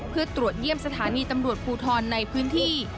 เพื่อตรวจเยี่ยมสถานีตำรวจภูทรในพื้นที่